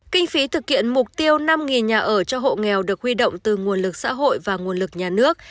kinh phí thực hiện mục tiêu năm nhà ở cho hộ nghèo được huy động từ nguồn lực xã hội và nguồn lực nhà nước